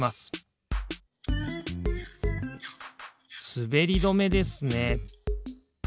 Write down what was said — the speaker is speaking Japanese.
すべりどめですね。